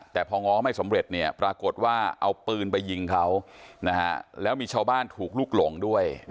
แต่พอง้อไม่สำเร็จเนี่ยปรากฏว่าเอาปืนไปยิงเขานะฮะแล้วมีชาวบ้านถูกลุกหลงด้วย